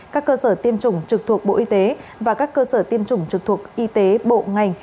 các cơ sở tiêm chủng trực thuộc bộ y tế và các cơ sở tiêm chủng trực thuộc y tế bộ ngành